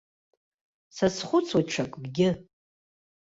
Сазхәыцуеит ҽакгьы.